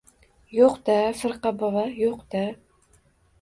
— Yo‘q-da, firqa bova, yo‘q-da.